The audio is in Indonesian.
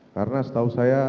karena setahu saya